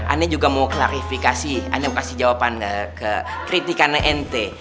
aneh juga mau klarifikasi aneh mau kasih jawaban ke kritikannya ente